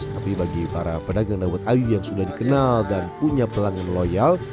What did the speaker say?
tapi bagi para pedagang dawet ayu yang sudah dikenal dan punya pelanggan loyal